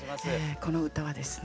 この歌はですね